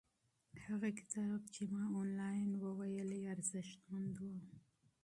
هغه کتاب چې ما آنلاین ولوست ارزښتمن و.